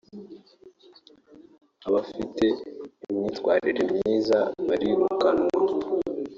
abafite imyitwarire myiza barirukanwa